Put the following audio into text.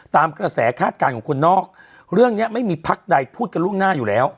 กระแสคาดการณ์ของคนนอกเรื่องนี้ไม่มีพักใดพูดกันล่วงหน้าอยู่แล้ว